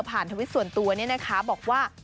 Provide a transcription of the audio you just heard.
ผ่านทวิตส่วนตัวนี้นะคะบอกว่า